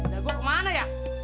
nah gue ke mana ya